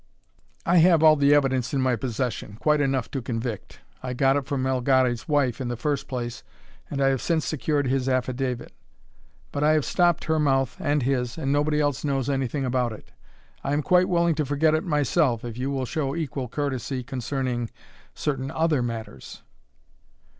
I have all the evidence in my possession quite enough to convict. I got it from Melgares' wife in the first place, and I have since secured his affidavit. But I have stopped her mouth, and his, and nobody else knows anything about it. I am quite willing to forget it myself if you will show equal courtesy concerning certain other matters."